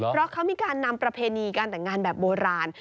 เพราะเขามีการนำประเพณีการแต่งงานแบบโบราณ